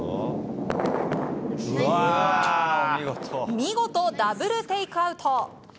見事、ダブルテイクアウト。